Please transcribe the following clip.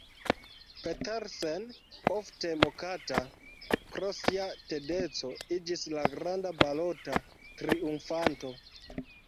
Petersen, ofte mokata pro sia tedeco, iĝis la granda balota triumfanto.